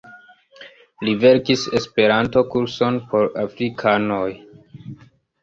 Li verkis Esperanto-kurson por afrikanoj.